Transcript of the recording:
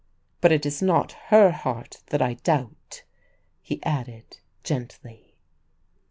"But it is not her heart that I doubt," he added gently.